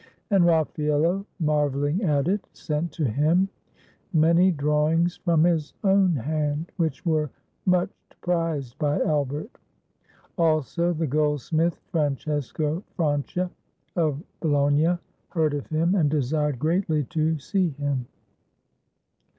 And Raffaello, marveling at it, sent to him many drawings from liis own hand, which were much prized by Albert. Also the goldsmith, Francesco Franciaof Bologna, heard of him, and desired greatly to 103 ITALY see him.